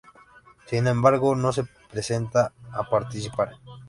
Sin embargo, no se presenta a participar.